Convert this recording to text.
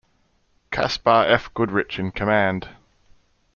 Caspar F. Goodrich in command.